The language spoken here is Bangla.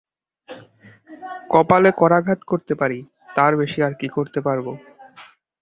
কপালে করাঘাত করতে পারি, তার বেশি আর কী করব।